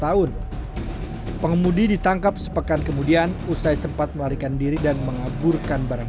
tahun pengemudi ditangkap sepekan kemudian usai sempat melarikan diri dan mengaburkan barang